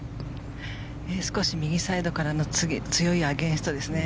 少し右サイドからの強いアゲンストですね。